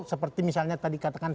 seperti misalnya tadi katakan